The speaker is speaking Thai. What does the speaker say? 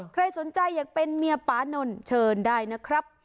ใครสนใจอยากเป็นเมียปานนเชิญได้นะครับ